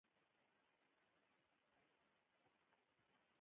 ټوله خبره ملک صاحب خلاصه کړله، احمد هسې چېړ پېړ کوي.